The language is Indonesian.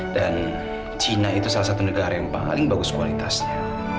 dan cina itu salah satu negara yang paling bagus kualitasnya